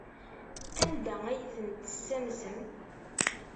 Anda ay ten-tessamsem?